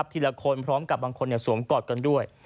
ทีละคนพร้อมกับบางคนสวมกอดกันด้วย